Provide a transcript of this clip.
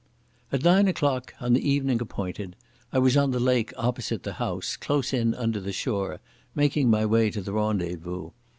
At nine o'clock on the evening appointed I was on the lake opposite the house, close in under the shore, making my way to the rendezvous.